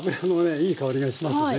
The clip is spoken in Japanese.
いい香りがしますね。